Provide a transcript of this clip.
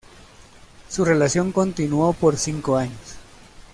Su relación continuó por cinco años.